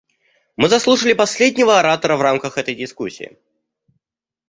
Мы заслушали последнего оратора в рамках этой дискуссии.